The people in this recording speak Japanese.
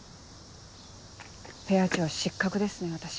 ペア長失格ですね私。